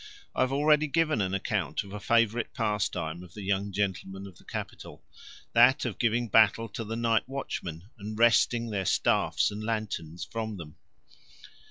I have already given an account of a favourite pastime of the young gentlemen of the capital that of giving battle to the night watchmen and wresting their staffs and lanterns from them.